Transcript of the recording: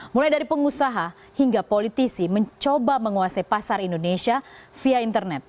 mulai dari pengusaha hingga politisi mencoba menguasai pasar indonesia via internet